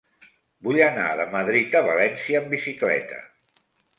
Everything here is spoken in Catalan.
Vull anar de Madrid a València en bicicleta.